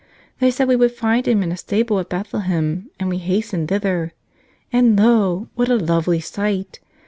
They said we would find Him in a stable at Bethlehem, and we hastened thither. And lo ! what a lovely sight!